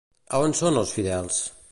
A on són els fidels?